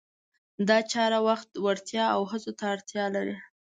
دا چاره وخت، وړتیا او هڅو ته اړتیا لري.